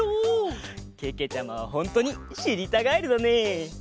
けけちゃまはほんとにしりたガエルだね！